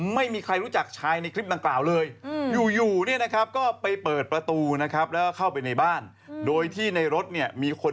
ไม่รู้ไหว้ไหว้สารมะพรูมมาก